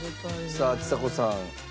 さあちさ子さん。